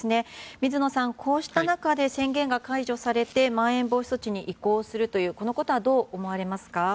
水野さん、こうした中で宣言が解除されてまん延防止措置に移行するこのことはどう思われますか。